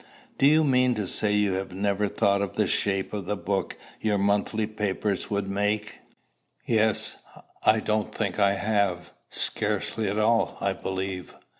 "Do you mean to say you have never thought of the shape of the book your monthly papers would make?" "Yes. I don't think I have. Scarcely at all, I believe."